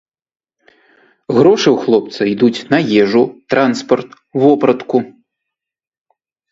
Грошы ў хлопца ідуць на ежу, транспарт, вопратку.